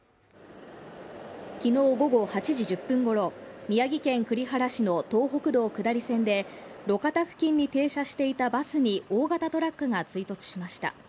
きのう午後８時１０分ごろ、宮城県栗原市の東北道下り線で、路肩付近に停車していたバスに大型トラックが追突しました。